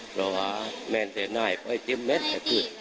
เพราะแมนเตนาไอ้ปล่อยเจ็บเม็ดไอ้ผืด